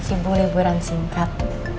sibuk liburan singkat